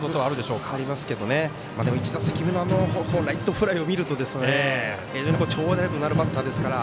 でも１打席目のライトフライを見ると非常に長打力があるバッターですから。